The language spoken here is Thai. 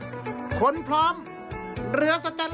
ตั้งแต่ขั้นตอนการทำเตรียมตัวทำโครงเพื่อไปติดกับเรือ